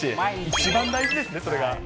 一番大事ですね、それが。